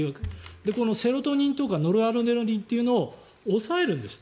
このセロトニンとかノルアドレナリンとかを抑えるんですって。